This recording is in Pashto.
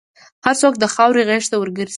هر څوک د خاورې غېږ ته ورګرځي.